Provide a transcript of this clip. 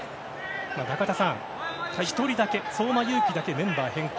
中田さん、１人だけ相馬勇紀だけメンバー変更。